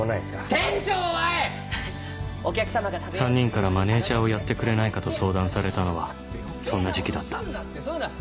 店長は⁉３人からマネジャーをやってくれないかと相談されたのはそんな時期だった余計なことすんなって。